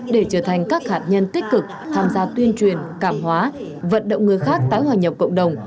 để trở thành các hạt nhân tích cực tham gia tuyên truyền cảm hóa vận động người khác tái hòa nhập cộng đồng